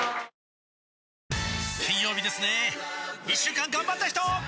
金曜日ですね一週間がんばった人！